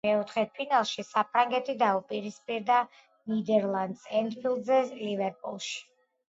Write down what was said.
მეოთხედფინალში საფრანგეთი დაუპირისპირდა ნიდერლანდს ენფილდზე ლივერპულში.